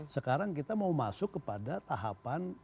sekarang kita mau masuk kepada tahapan